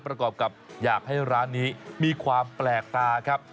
ประกอบกับอยากให้ร้านนี้มีความแปลกตาครับ